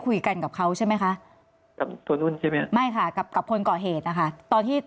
ต้องเตรียมการหนี